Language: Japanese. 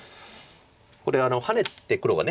これハネて黒が。